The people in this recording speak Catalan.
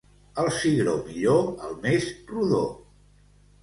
El cigró millor, el més rodó.